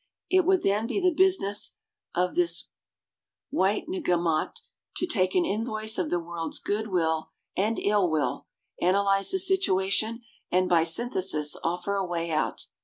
It would then be the business of this Witenagemot to take an invoice of the world's good will and ill will, analyze the situation and, by synthesis, offer a way out.